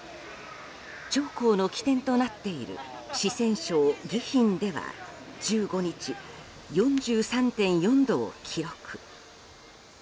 長江の起点となっている四川省宜賓では１５日、４３．４度を記録。